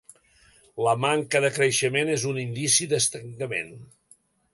La manca de creixement és un indici d'estancament.